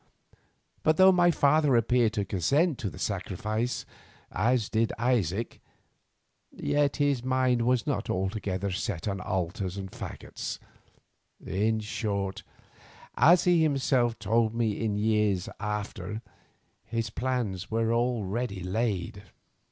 But though my father appeared to consent to the sacrifice, as did Isaac, yet his mind was not altogether set on altars and faggots; in short, as he himself told me in after years, his plans were already laid.